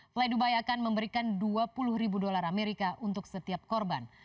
fly dubai akan memberikan dua puluh ribu dolar amerika untuk setiap korban